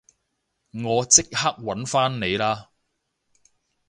我即刻搵返你啦